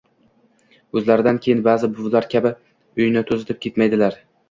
o‘zlaridan keyin ba’zi buvilar kabi uyni to‘zitib ketmaydilar.